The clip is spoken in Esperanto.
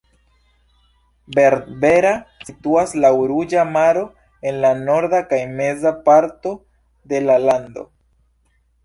Berbera situas laŭ Ruĝa Maro en la norda kaj meza parto de la lando.